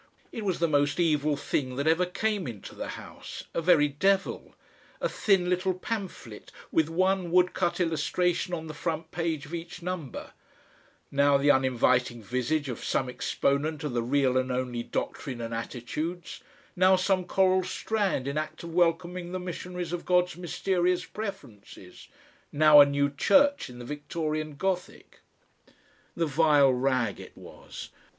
It was the most evil thing that ever came into the house, a very devil, a thin little pamphlet with one woodcut illustration on the front page of each number; now the uninviting visage of some exponent of the real and only doctrine and attitudes, now some coral strand in act of welcoming the missionaries of God's mysterious preferences, now a new church in the Victorian Gothic. The vile rag it was!